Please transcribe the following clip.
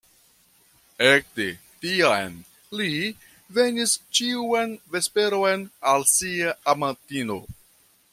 Ekde tiam li venis ĉiun vesperon al sia amatino.